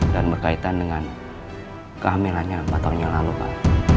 dan berkaitan dengan kehamilannya empat tahun yang lalu pak